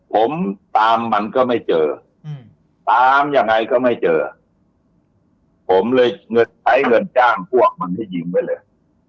ผมตามมันก็ไม่เจอตามยังไงก็ไม่เจอผมเลยใช้เงินจ้างพวกมันที่ยิงไว้เลย